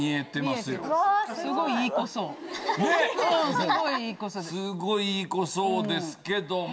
すごいいい子そうですけども。